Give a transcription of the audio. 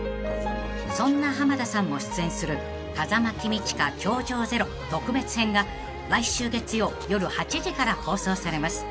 ［そんな濱田さんも出演する『風間公親−教場０−特別編』が来週月曜夜８時から放送されます］